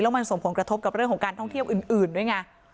มันส่งผลกระทบกับเรื่องของการท่องเที่ยวอื่นด้วยไง